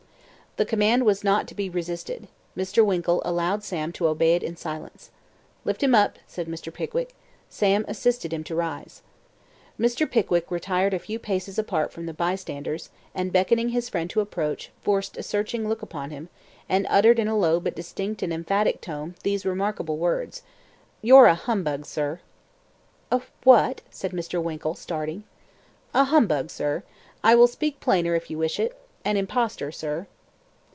The command was not to be resisted. Mr. Winkle allowed Sam to obey it in silence. "Lift him up," said Mr. Pickwick. Sam assisted him to rise. Mr. Pickwick retired a few paces apart from the bystanders; and, beckoning his friend to approach, fixed a searching look upon him, and uttered in a low but distinct and emphatic tone these remarkable words: "You're a humbug, sir." "A what?" said Mr. Winkle, starting. "A humbug, sir. I will speak plainer, if you wish it. An impostor, sir."